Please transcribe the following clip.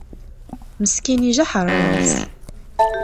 Meskin, ijaḥ ṛṛay-is.